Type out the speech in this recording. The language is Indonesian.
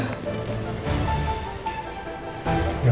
kasih bererti pak